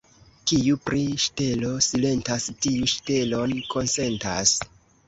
Kiu pri ŝtelo silentas, tiu ŝtelon konsentas.